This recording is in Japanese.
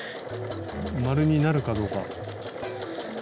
円になるかどうか。